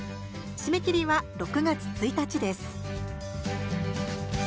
締め切りは６月１日です。